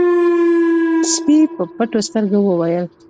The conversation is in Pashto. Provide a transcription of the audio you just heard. سپي په پټو سترګو وويل: